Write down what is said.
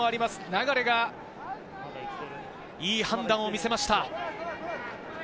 流がいい判断を見せました。